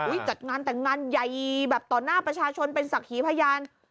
จัดงานแต่งงานใหญ่แบบต่อหน้าประชาชนเป็นศักดิ์หีพยาน